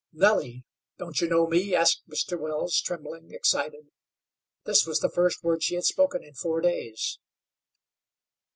"Nellie, don't you know me?" asked Mr. Wells, trembling, excited. This was the first word she had spoken in four days.